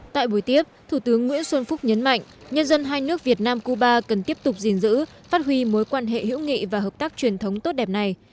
tại buổi tiếp thủ tướng nguyễn xuân phúc nhấn mạnh nhân dân hai nước việt nam cuba cần tiếp tục gìn giữ phát huy mối quan hệ hữu nghị và hợp tác truyền thống tốt đẹp này